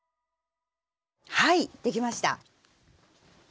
はいできました。